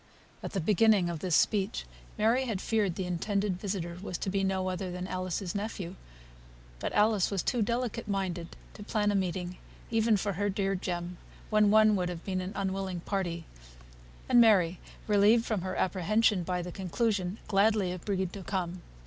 At the beginning of this speech Mary had feared the intended visitor was to be no other than Alice's nephew; but Alice was too delicate minded to plan a meeting, even for her dear Jem, when one would have been an unwilling party; and Mary, relieved from her apprehension by the conclusion, gladly agreed to come.